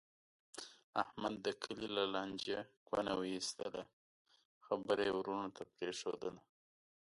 احمد د کلي له لانجې کونه و ایستله. خبره یې ورڼو ته پرېښودله.